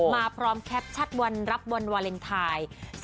มาพร้อมแคปชั่นวันรับวันวาเลนไทย